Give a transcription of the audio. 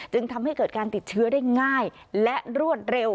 จึงทำให้เกิดการติดเชื้อได้ง่ายและรวดเร็ว